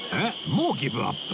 もうギブアップ？